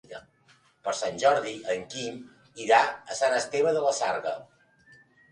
Per Sant Jordi en Quim irà a Sant Esteve de la Sarga.